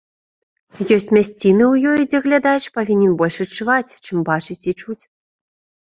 Ёсць мясціны ў ёй, дзе глядач павінен больш адчуваць, чым бачыць і чуць.